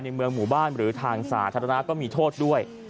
เมืองหมู่บ้านหรือทางสาธารณะก็มีโทษด้วย